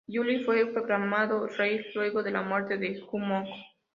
Yuri fue proclamado rey luego de la muerte de Jumong.